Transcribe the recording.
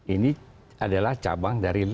ini adalah cabang dari